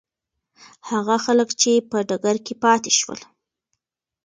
هغه خلک چې په ډګر کې پاتې شول.